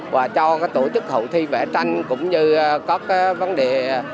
và cho tổ chức hậu thi vẽ tranh cũng như các vấn đề